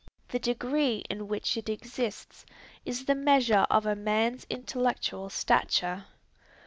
The degree in which it exists is the measure of a man's intellectual stature.